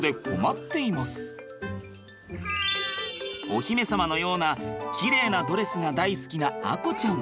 お姫様のようなきれいなドレスが大好きな亜瑚ちゃん。